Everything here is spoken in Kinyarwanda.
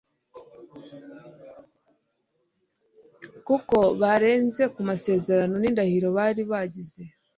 kuko barenze ku masezerano n'indahiro bari bagize